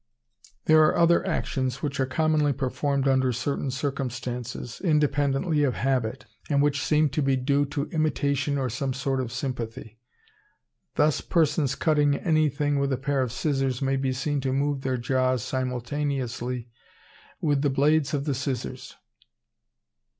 There are other actions which are commonly performed under certain circumstances, independently of habit, and which seem to be due to imitation or some sort of sympathy. Thus persons cutting anything with a pair of scissors may be seen to move their jaws simultaneously with the blades of the scissors.